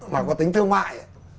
mà có tính thương mại